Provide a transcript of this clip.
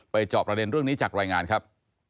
จอบประเด็นเรื่องนี้จากรายงานครับ